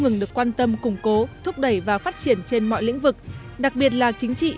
ngừng được quan tâm củng cố thúc đẩy và phát triển trên mọi lĩnh vực đặc biệt là chính trị